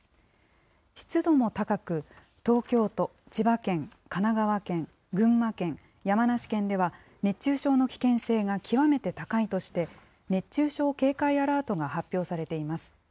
湿度も高く、東京都、千葉県、神奈川県、群馬県、山梨県では、熱中症の危険性が極めて高いとして、熱中症警戒アラートが発表されています。